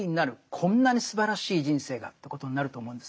こんなにすばらしい人生がということになると思うんですね。